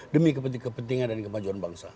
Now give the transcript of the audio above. demi kepentingan dan kemajuan bangsa